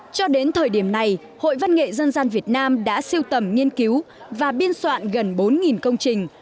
cho đến thời điểm này hội văn nghệ dân gian việt nam đã siêu tầm nghiên cứu và biên soạn gần bốn công trình